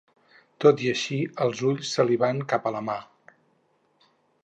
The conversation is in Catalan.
Tot i així, els ulls se li'n van cap a la Mar.